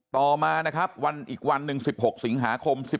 ต่อมานะครับวันอีกวันหนึ่ง๑๖สิงหาคม